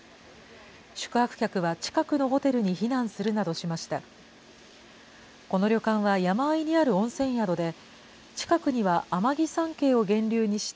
宿泊客は近くのホテルに避難するなどしました。